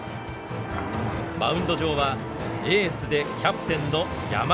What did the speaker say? マウンド上はエースでキャプテンの山田。